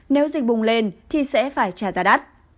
nếu dịch bùng lên thì sẽ phải trả giá đắt